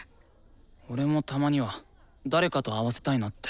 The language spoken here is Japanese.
俺もたまには誰かと合わせたいなって。